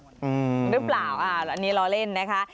หรือเปล่าอันนี้ล้อเล่นนะคะ